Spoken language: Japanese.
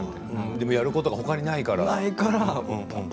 でも、やることがほかにないから。